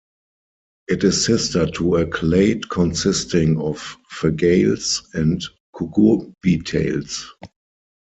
It is sister to a clade consisting of Fagales and Cucurbitales.